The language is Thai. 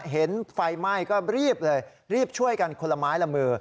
เห็นไฟไหม้ก็รีบเลยรีบช่วยกันคนละไม้ละมือ